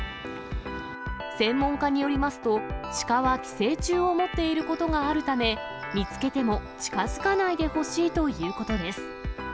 専門家によりますと、シカは寄生虫を持っていることがあるため、見つけても近づかないでほしいということです。